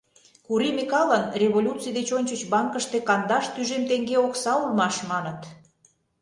Кури Микалын революций деч ончыч банкыште кандаш тӱжем теҥге окса улмаш, маныт.